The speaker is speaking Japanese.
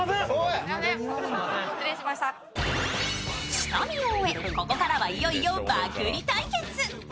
下見を終え、ここからはいよいよ爆売り対決。